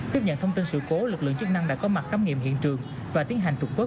tiếp nhận thông tin sự cố lực lượng chức năng đã có mặt khám nghiệm hiện trường và tiến hành trục vớ